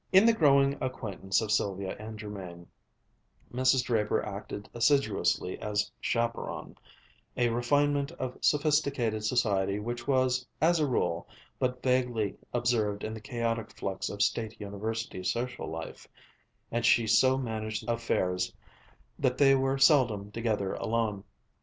In the growing acquaintance of Sylvia and Jermain, Mrs. Draper acted assiduously as chaperon, a refinement of sophisticated society which was, as a rule, but vaguely observed in the chaotic flux of State University social life, and she so managed affairs that they were seldom together alone.